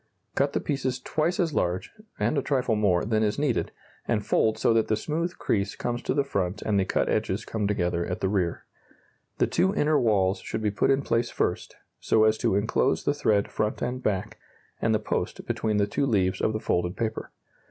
Cut the pieces twice as large (and a trifle more) than is needed, and fold so that the smooth crease comes to the front and the cut edges come together at the rear. The two inner walls should be put in place first, so as to enclose the thread front and back, and the post, between the two leaves of the folded paper.